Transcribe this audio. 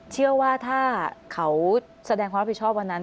เชื่อว่าถ้าเขาแสดงความรับผิดชอบวันนั้น